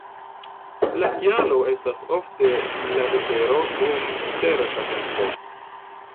La kialo estas ofte la vetero dum certa tempo.